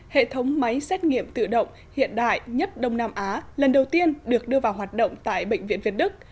hệ thống máy xét nghiệm tự động hiện đại nhất đông nam á lần đầu tiên được đưa vào hoạt động tại bệnh viện việt đức